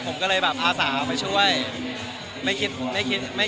ผมก็เลยพาสาวไปช่วยไม่คิดฆาตตัว